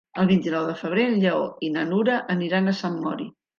El vint-i-nou de febrer en Lleó i na Nura aniran a Sant Mori.